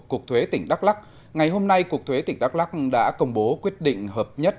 cục thuế tỉnh đắk lắc ngày hôm nay cục thuế tỉnh đắk lắc đã công bố quyết định hợp nhất